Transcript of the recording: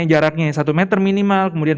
jaraknya satu meter minimal kemudian